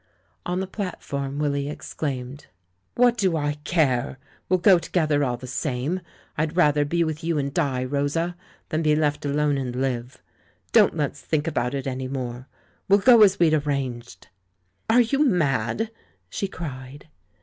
On the platform Willy exclaimed: "What do I care — we'll go together all the same! I'd rather be with you and die, Rosa, than be left alone and live. Don't let's think about it any more; we'll go as we'd arranged!" "Are you mad?" she cried.